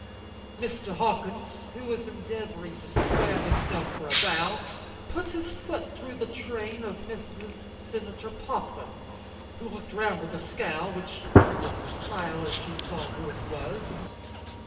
Mr. Hawkins, who was endeavoring to square himself for a bow, put his foot through the train of Mrs. Senator Poplin, who looked round with a scowl, which turned into a smile as she saw who it was.